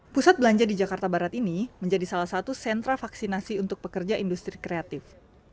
pusat belanja di jakarta barat ini menjadi salah satu sentra vaksinasi untuk pekerja industri kreatif